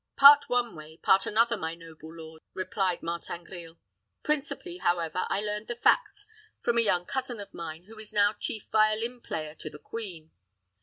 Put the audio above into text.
"Part one way, part another, my noble lord," replied Martin Grille. "Principally, however, I learned the facts from a young cousin of mine, who is now chief violin player to the queen.